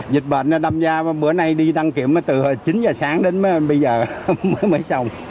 dịch bệnh đâm da bữa nay đi đăng kiểm từ chín h sáng đến bây giờ mới xong